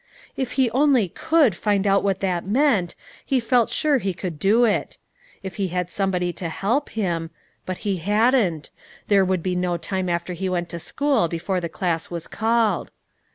If he only could find out what that meant, he felt sure he could do it. If he had somebody to help him; but he hadn't. There would be no time after he went to school before the class was called.